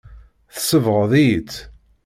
Tsebɣeḍ-iyi-tt.